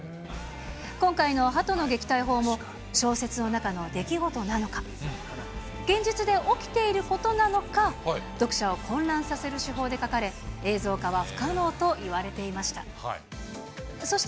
今回の鳩の撃退法も、小説の中の出来事なのか、現実で起きていることなのか、読者を混乱させる手法で書かれ、映像化は不可能といわれていました。